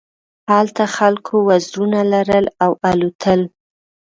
هلته خلکو وزرونه لرل او الوتل.